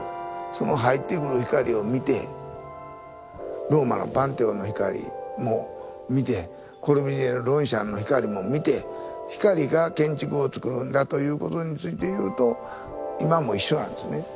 その入ってくる光を見てローマのパンテオンの光も見てコルビュジエのロンシャンの光も見て光が建築をつくるんだということについていうと今も一緒なんですね。